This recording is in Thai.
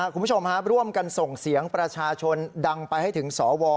คุณผู้ชมร่วมกันส่งเสียงประชาชนดังไปให้ถึงสว